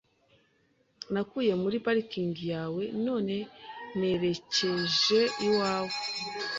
Nakuye muri parikingi yawe none nerekeje iwawe.